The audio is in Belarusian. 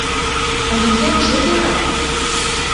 Але як жа я?